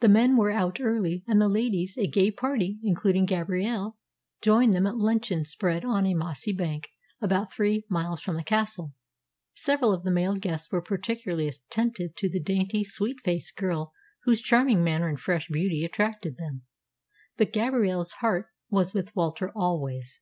The men were out early; and the ladies, a gay party, including Gabrielle, joined them at luncheon spread on a mossy bank about three miles from the castle. Several of the male guests were particularly attentive to the dainty, sweet faced girl whose charming manner and fresh beauty attracted them. But Gabrielle's heart was with Walter always.